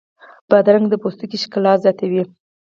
بادرنګ د پوستکي ښکلا زیاتوي.